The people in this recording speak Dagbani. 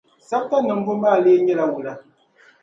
Sabta niŋbu maa lee nyɛ la wula?